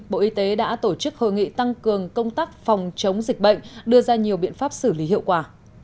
bộ y tế đã tổ chức hội nghị tăng cường công tác phòng chống dịch bệnh đưa ra nhiều biện pháp xử lý hiệu quả